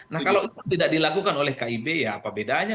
nah kalau itu tidak dilakukan oleh kib ya apa bedanya